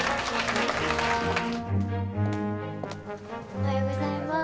おはようございます。